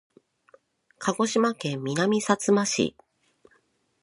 鹿児島県南さつま市